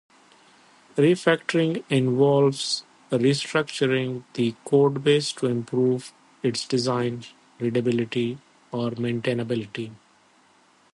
Refactoring involves restructuring the codebase to improve its design, readability, or maintainability.